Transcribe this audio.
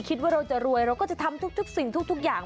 คิดว่าเราจะรวยเราก็จะทำทุกสิ่งทุกอย่าง